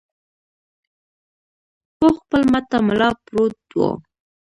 پوخ پل ماته ملا پروت و.